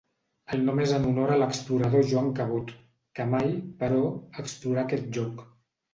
El nom és en honor a l'explorador Joan Cabot, que mai, però, explorà aquest lloc.